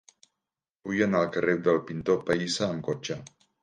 Vull anar al carrer del Pintor Pahissa amb cotxe.